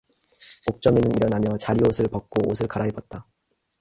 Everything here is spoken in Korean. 옥점이는 일어나며 자리옷을 벗고 옷을 갈아입었다.